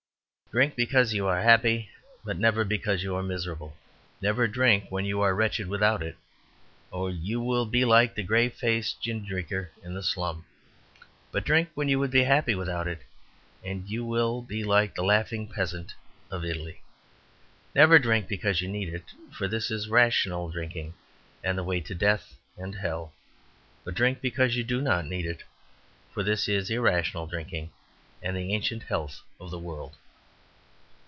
Drink because you are happy, but never because you are miserable. Never drink when you are wretched without it, or you will be like the grey faced gin drinker in the slum; but drink when you would be happy without it, and you will be like the laughing peasant of Italy. Never drink because you need it, for this is rational drinking, and the way to death and hell. But drink because you do not need it, for this is irrational drinking, and the ancient health of the world.